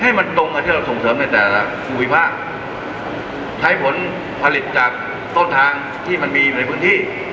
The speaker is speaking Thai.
ให้มันตรงกับที่เราส่งเสริมในแต่ละภูมิภาคใช้ผลผลิตจากต้นทางที่มันมีอยู่ในพื้นที่